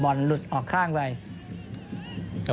ส่วนที่สุดท้ายส่วนที่สุดท้าย